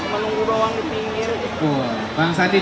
wah bang sandi